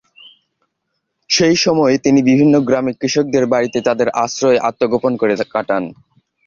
সেই সময়ে তিনি বিভিন্ন গ্রামে কৃষকদের বাড়িতে তাদের আশ্রয়ে আত্মগোপন করে কাটান।